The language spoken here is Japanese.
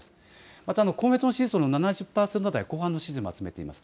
また公明党支持層の７０％台後半の支持も集めています。